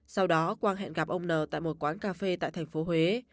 sau đó quang hẹn gặp ông n tại một quán cà phê tại thành phố huế